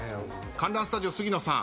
観覧スタジオ杉野さん